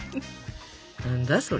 何だそれ。